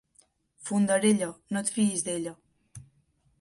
Fondarella, no et fiïs d'ella.